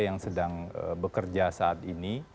yang sedang bekerja saat ini